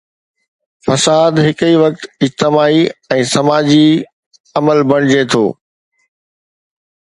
فساد هڪ ئي وقت اجتماعي ۽ سماجي عمل بڻجي ٿو.